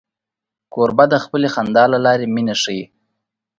کوربه د خپلې خندا له لارې مینه ښيي.